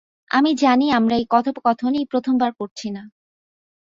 আমি জানি আমরা এই কথোপকথন এই প্রথমবার করছি না।